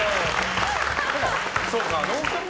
そうか「ノンストップ！」